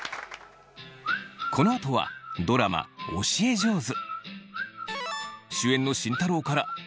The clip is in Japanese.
このあとはドラマ「教え上手」。